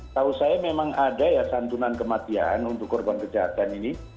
tahu saya memang ada ya santunan kematian untuk korban kejahatan ini